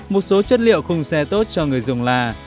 một số chất liệu khung xe tốt cho người dùng là